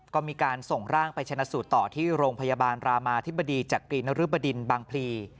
ก็มีการส่งร่างไปชนะสูตรต่อที่โรงพยาบาลรามาธิบดีจากกรีนรึบดินบางพลี